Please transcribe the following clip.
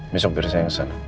besok dari saya kesana